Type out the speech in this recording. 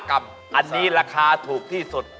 ๑๔๕กรัมอันนี้ราคาถูกที่สุด